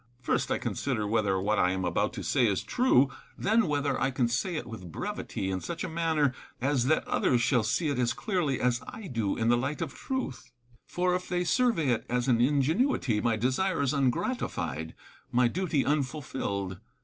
First, I consider whether what I am about to say is true ; then, whether I can say it with brevity, in such a manner as that others shall see it as clearly as I do in the light of truth ; for, if they survey it as an ingenuity, my desire is ungratified, my duty unfulfilled.